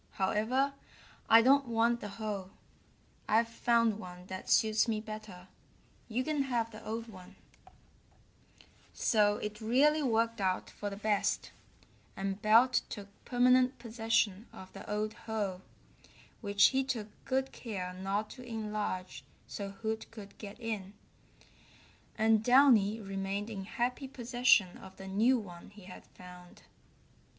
However, I don't want the hole. I've found one that suits me better. You can have the old one." [Illustration: AFTER A FEW MORE WORDS THEY FLEW AWAY] So it really worked out for the best, and Belt took permanent possession of the old hole, which he took good care not to enlarge so Hoot could get in, and Downy remained in happy possession of the new one he had found.